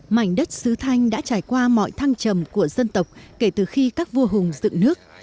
mảnh đất sứ thanh đã trải qua mọi thăng trầm của dân tộc kể từ khi các vua hùng dựng nước